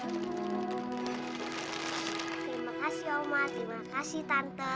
terima kasih oman terima kasih tante